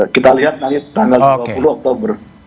kita lihat nanti tanggal dua puluh oktober